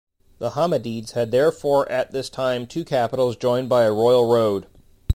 The Hammadids had therefore at this time two capitals joined by a royal road.